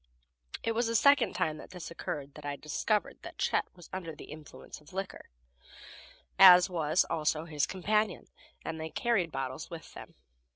It was the second time that this occurred that I discovered that Chet was under the influence of liquor, as was also his companion, and they carried bottles with them.